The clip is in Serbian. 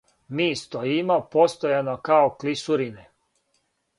Ми стојимо постојано као клисурине.